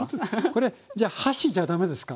これじゃあ箸じゃ駄目ですか？